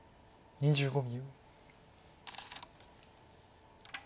２５秒。